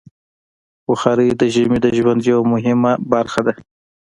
بخاري د ژمي د ژوند یوه مهمه برخه ده.